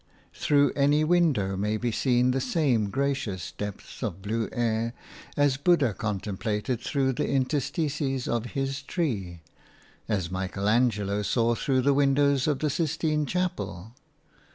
Through any window may be seen the same gracious depths of blue air as Buddha contemplated through the interstices of his tree, as Michael Angelo saw through the windows of the Sistine chapel.